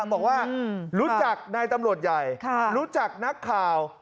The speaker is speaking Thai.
บอกว่ารู้จักนายตำรวจใหญ่รู้จักนักข่าว